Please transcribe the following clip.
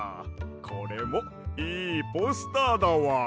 これもいいポスターだわ。